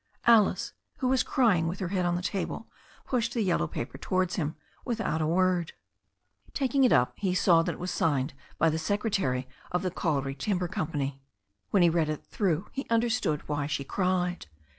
Alice, who was crying with her head on the table, pushed the yellow paper towards him without a word. Taking it up, he saw that it was signed by the secretary of the Kauri Timber Company. When he had read it THE STORY OF A NEW ZEALAND RIVER 211 through he understood why she cried.